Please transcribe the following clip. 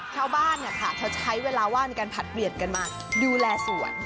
เช้าบ้านเนี่ยค่ะเช้าใช้เวลาว่างกันผัดเหรียดกันมาดูแลส่วน